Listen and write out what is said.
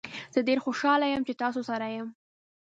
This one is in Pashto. زه ډیر خوشحاله یم چې تاسو سره یم.